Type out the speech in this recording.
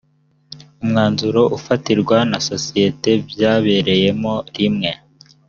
umwanzuro ufatirwa na sosiyete byabereyemo rimwe